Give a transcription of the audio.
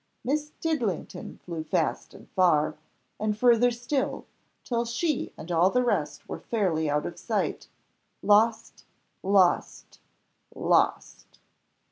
Miss Didlington flew fast and far, and further still, till she and all the rest were fairly out of sight lost, lost, lost!